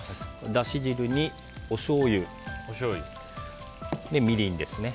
だし汁におしょうゆみりんですね。